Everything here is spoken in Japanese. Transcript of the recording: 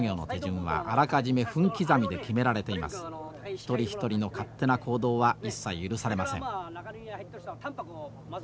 一人一人の勝手な行動は一切許されません。